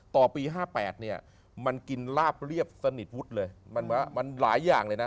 ต่อปี๕๘เนี่ยมันกินลาบเรียบสนิทวุฒิเลยมันหลายอย่างเลยนะ